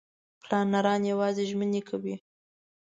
پلانران یوازې ژمنې کوي.